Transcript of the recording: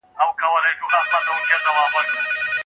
زه به سبا ليکنه کوم وم.